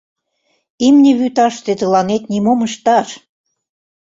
— Имне вӱташте тыланет нимом ышташ!